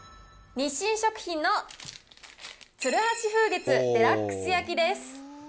日清食品の鶴橋風月デラックス焼です。